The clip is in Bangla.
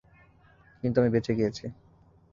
কিন্তু আমি বেঁচে গিয়েছি।